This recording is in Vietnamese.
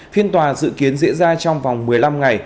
phiên tòa dự kiến diễn ra trong vòng một mươi năm ngày